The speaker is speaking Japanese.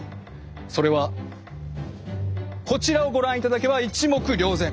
それはこちらをご覧いただけば一目瞭然。